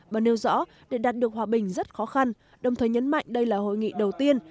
và nêu rõ để đạt được hòa bình rất khó khăn đồng thời nhấn mạnh đây là hội nghị đầu tiên